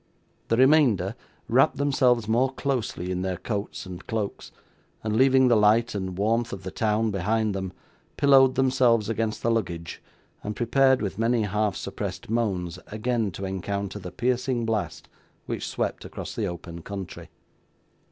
The remainder wrapped themselves more closely in their coats and cloaks, and leaving the light and warmth of the town behind them, pillowed themselves against the luggage, and prepared, with many half suppressed moans, again to encounter the piercing blast which swept across the open country.